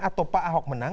atau pak ahok menang